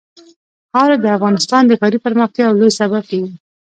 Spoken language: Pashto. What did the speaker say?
خاوره د افغانستان د ښاري پراختیا یو لوی سبب کېږي.